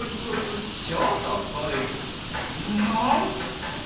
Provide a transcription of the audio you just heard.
ななんと。